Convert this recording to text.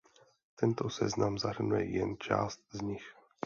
Tento seznam zahrnuje jen část z nich.